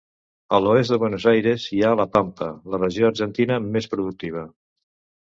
A l'oest de Buenos Aires hi ha la Pampa, la regió argentina més productiva.